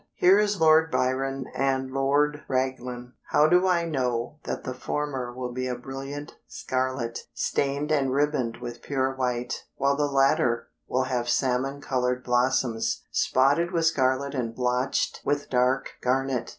Here is Lord Byron and Lord Raglan. How do I know that the former will be a brilliant scarlet, stained and ribboned with pure white, while the latter will have salmon colored blossoms, spotted with scarlet and blotched with dark garnet?